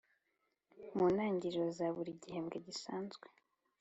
Mu ntangiriro za buri gihembwe gisanzwe